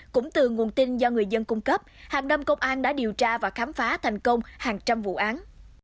cũng từ nguồn tin do người dân cung cấp hàng năm công an đã điều tra và khám phá thành công hàng trăm vụ án